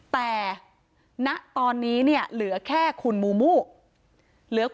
แต่ณตอนนี้เนี่ยเหลือแค่คุณมูมูเหลือ